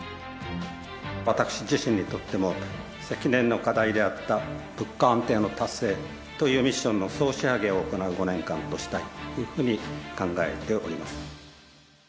私自身にとっても、積年の課題であった物価安定の達成というミッションの総仕上げを行う５年間としたいというふうに考えております。